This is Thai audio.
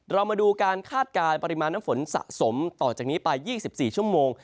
เรามาดูการคาดการณ์ปริมาณน้ำฝนสะสมต่อจากนี้ไป๒๔ชั่วโมง